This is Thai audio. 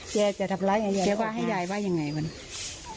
แกจะทำไรอย่างเงี้ยแกว่าให้ยายว่ายังไงบ้าง